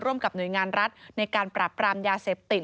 ร่วมกับหน่วยงานรัฐในการปรับปรามยาเสพติด